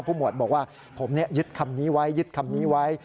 หมวดบอกว่าผมยึดคำนี้ไว้ยึดคำนี้ไว้